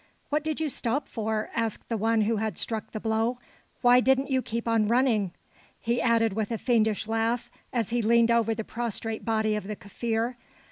"What did you stop for?" asked the one who had struck the blow. "Why didn't you keep on running?" he added with a fiendish laugh, as he leaned over the prostrate body of the Kaffir.